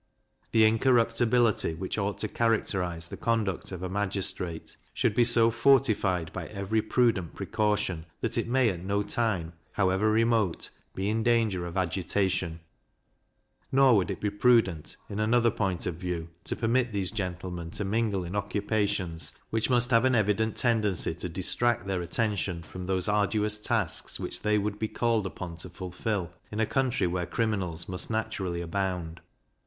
The incorruptibility which ought to characterise the conduct of a magistrate should be so fortified by every prudent precaution, that it may at no time, however remote, be in danger of agitation; nor would it be prudent, in another point of view, to permit these gentlemen to mingle in occupations which must have an evident tendency to distract their attention from those arduous tasks which they would be called upon to fulfil, in a country where criminals must naturally abound.